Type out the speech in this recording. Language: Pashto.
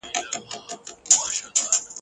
له خندا شین سي ورته نڅیږي ..